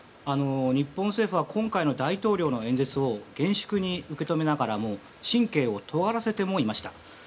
日本政府は今回の大統領の演説を厳粛に受け止めながらも神経をとがらせてもいました。